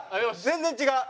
全然違う！